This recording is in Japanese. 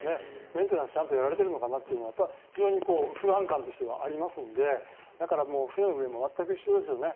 メンテナンスをちゃんとやっているのか不安感としてはありますのでだから、船の上も全く一緒ですよね。